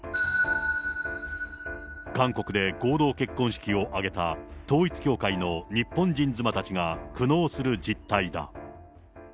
韓国で合同結婚式を挙げた統一教会の日本人妻たちが苦悩する実態だ。